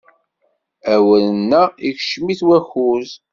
Awren-a ikcem-it wakuz.